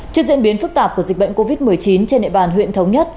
trước diễn biến phức tạp của dịch bệnh covid một mươi chín trên địa bàn huyện thống nhất